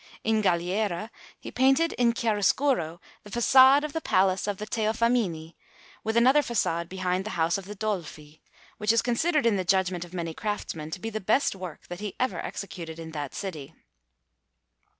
In Galiera he painted in chiaroscuro the façade of the Palace of the Teofamini, with another façade behind the house of the Dolfi, which is considered in the judgment of many craftsmen to be the best work that he ever executed in that city.